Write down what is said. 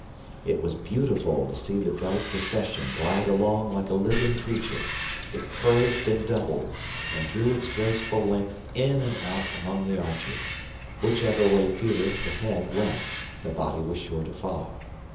It was beautiful to see the bright procession glide along like a living creature. It curved and doubled, and drew its graceful length in and out among the arches whichever way Peter, the head, went, the body was sure to follow.